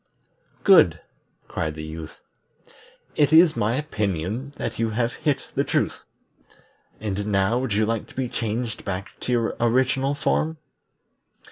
"Good!" cried the Youth. "It is my opinion that you have hit the truth. And now would you like to be changed back to your original form?"